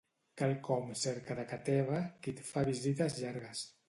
Quelcom cerca de ca teva qui et fa visites llargues.